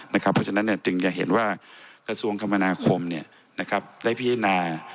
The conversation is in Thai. เพราะฉะนั้นจึงจะเห็นว่ากระทรวงคมนาคมได้พิจารณา